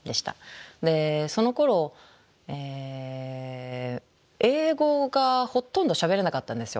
そのころ英語がほとんどしゃべれなかったんですよ